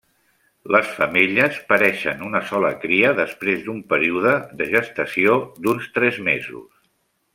Les femelles pareixen una sola cria després d'un període de gestació d'uns tres mesos.